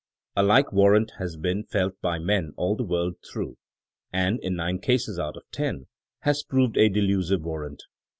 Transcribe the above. A like warrant has been felt by men all the world through ; and, in nine cases out of ten, has proved a delusive warrant.